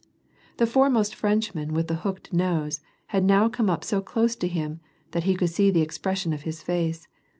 The foremost Frenchman with the hooked nose, had now come up so close to him, that he could j te the expn?^sion of his face.